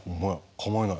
構えない。